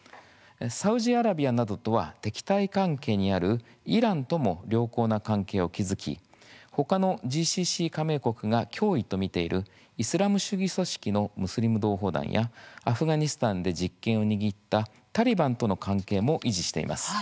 サウジアラビアなどとは敵対関係にあるイランとも良好な関係を築き他のＧＣＣ加盟国が脅威と見ているイスラム主義組織のムスリム同胞団やアフガニスタンで実権を握ったタリバンとの関係も維持しています。